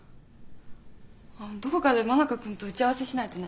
どこかで真中君と打ち合わせしないとね。